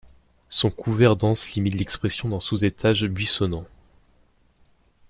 Son couvert dense limite l'expression d'un sous-étage buissonnant.